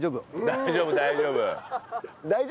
大丈夫大丈夫。